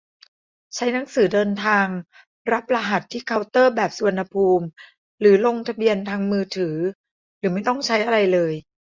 ใช้หนังสือเดินทางรับรหัสที่เคาน์เตอร์แบบสุวรรณภูมิ หรือลงทะเบียนทางมือถือ หรือไม่ต้องใช้อะไรเลย